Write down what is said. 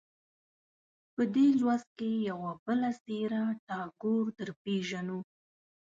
په دې لوست کې یوه بله څېره ټاګور درپېژنو.